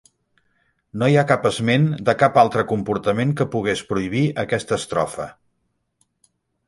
No hi ha cap esment de cap altre comportament que pogués prohibir aquesta estrofa.